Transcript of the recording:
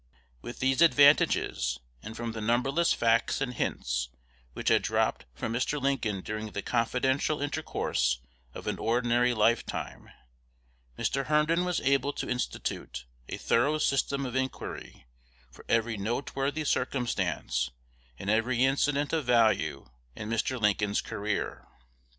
With these advantages, and from the numberless facts and hints which had dropped from Mr. Lincoln during the confidential intercourse of an ordinary lifetime, Mr. Herndon was able to institute a thorough system of inquiry for every noteworthy circumstance and every incident of value in Mr. Lincoln's career.